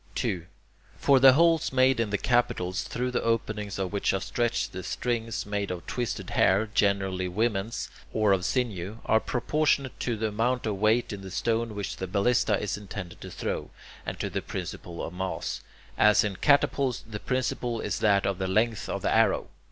2. For the holes made in the capitals through the openings of which are stretched the strings made of twisted hair, generally women's, or of sinew, are proportionate to the amount of weight in the stone which the ballista is intended to throw, and to the principle of mass, as in catapults the principle is that of the length of the arrow.